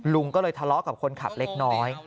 ลุงก็เลยทะเลาะกับคนขับเล็กน้อย